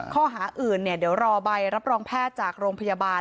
ข้อหาอื่นเดี๋ยวรอใบรับรองแพทย์จากโรงพยาบาล